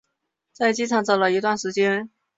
在机场找了一段时间